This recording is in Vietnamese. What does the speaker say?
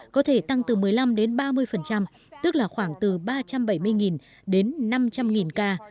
có thể tăng từ một mươi năm đến ba mươi tức là khoảng từ ba trăm bảy mươi đến năm trăm linh ca